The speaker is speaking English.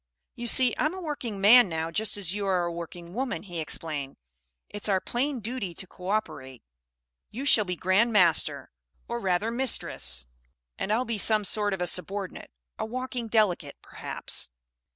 "You see I'm a working man now just as you are a working woman," he explained. "It's our plain duty to co operate. You shall be Grand Master or rather Mistress and I'll be some sort of a subordinate, a Walking Delegate, perhaps."